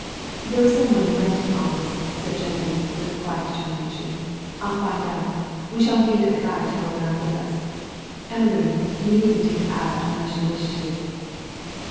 "There is some one in the renting office," said Geneviève with quiet determination. "I'll find out. We shall need a guide to go around with us. Emelene, you needn't get out unless you wish to."